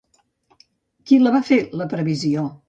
Qui la va fer, la previsió?